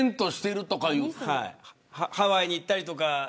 ハワイに行ったりとか。